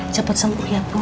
cepet sembuh ya bu